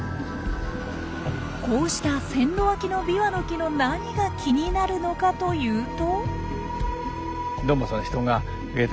こうした線路脇のビワの木の何が気になるのかというと？